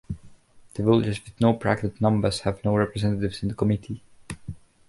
The villages with no bracketed numbers have no representatives in the committee.